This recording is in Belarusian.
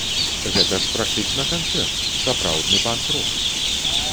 Гэта ж практычна канцэрт, сапраўдны панк-рок.